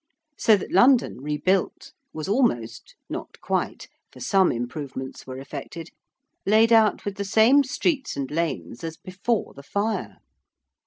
So that London, rebuilt, was almost not quite, for some improvements were effected laid out with the same streets and lanes as before the fire.